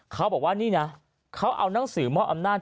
เขาบอกว่านี่นะเขาเอานังสือมอบอำนาจ